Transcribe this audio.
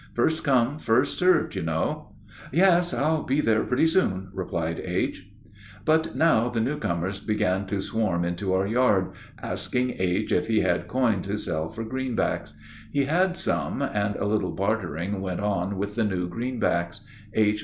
'First come, first served,' you know." "Yes, I'll be there pretty soon," replied H. But now the newcomers began to swarm into our yard, asking H. if he had coin to sell for greenbacks. He had some, and a little bartering went on with the new greenbacks. H.